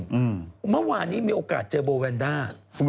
เมื่อวานนี้มีโอกาสเจอโบแวนด้า